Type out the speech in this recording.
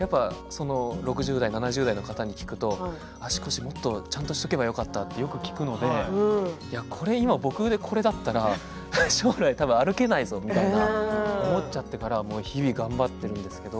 ６０代、７０代の方に聞くと足腰もっとちゃんとしておけばよかったと、よく聞くのでこれ僕、今これだったら将来歩けないぞみたいな思っちゃってから日々、頑張っているんですけど。